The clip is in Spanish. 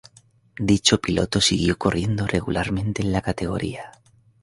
Dicho piloto siguió corriendo regularmente en la categoría.